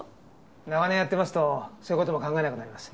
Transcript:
長年やってますとそういう事も考えなくなります。